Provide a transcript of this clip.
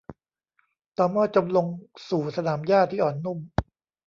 ตอม่อจมลงสู่สนามหญ้าที่อ่อนนุ่ม